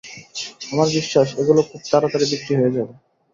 আমার বিশ্বাস, এগুলি খুব তাড়াতাড়ি বিক্রী হয়ে যাবে।